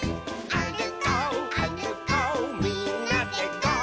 「あるこうあるこうみんなでゴー！」